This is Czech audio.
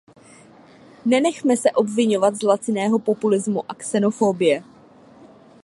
Nenechme se obviňovat z laciného populismu a xenofobie.